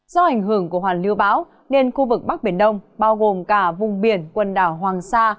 do ảnh hưởng của hoàn lưu bão nên khu vực bắc biển đông bao gồm cả vùng biển quần đảo hoàng sa